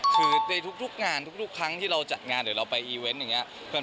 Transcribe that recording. คือในทุกงานทุกครั้งที่เราจัดงานหรือเราไปอีเวนต์อย่างนี้